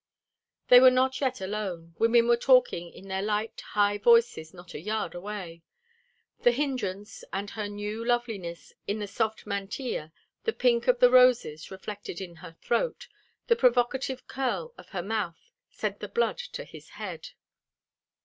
They were not yet alone, women were talking in their light, high voices not a yard away. The hindrance, and her new loveliness in the soft mantilla, the pink of the roses reflected in her throat, the provocative curl of her mouth, sent the blood to his head.